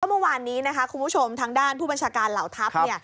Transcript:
เมื่อวานนี้นะคะคุณผู้ชมทางด้านผู้บัญชาการเหล่าทัพ